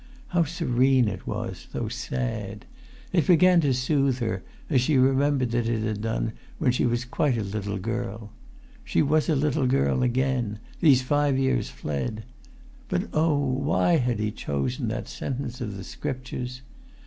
How serene it was, though sad! It began to soothe her, as she remembered that it had done when she was quite a little girl. She was a little girl again: these five years fled ... But oh,[Pg 318] why had he chosen that sentence of the scriptures?